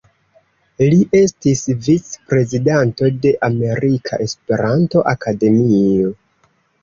Li estis vic-prezidanto de Amerika Esperanto-Akademio.